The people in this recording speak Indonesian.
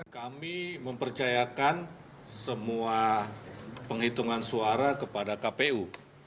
kami mempercayakan semua penghitungan suara kepada kpu